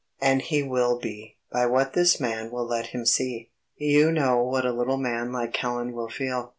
And he will be, by what this man will let him see. You know what a little man like Callan will feel